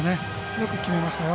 よく決めましたよ。